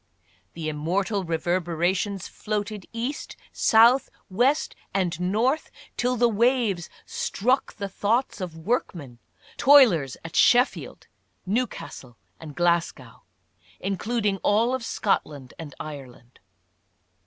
The immortal reverberations floated east, south, west and north, till the waves struck the thoughts of workmen — toilers at Sheffield, Newcastle and Glasgow, including all of Scotland and Ireland.